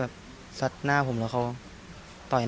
พี่มันมาชายการที่สุข